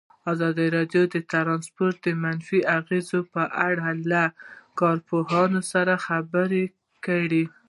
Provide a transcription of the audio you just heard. ازادي راډیو د ترانسپورټ د منفي اغېزو په اړه له کارپوهانو سره خبرې کړي.